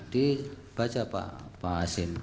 dibaca pak pak hasin